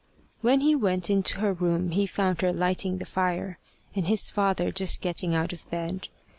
When he went into her room he found her lighting the fire, and his father just getting out of bed.